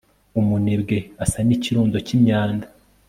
umunebwe asa n'ikirundo cy'imyanda